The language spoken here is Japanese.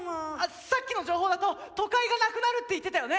さっきの情報だと都会がなくなるって言ってたよね。